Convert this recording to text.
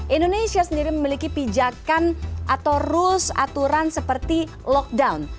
indonesia sendiri memiliki pijakan atau rules aturan seperti lockdown